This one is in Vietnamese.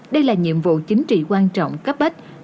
đây là nhiệm vụ chính trị quan trọng cấp bách